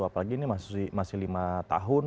apalagi ini masih lima tahun